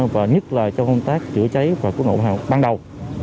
và nhất là trong công tác chữa cháy và cố nộp bằng đầu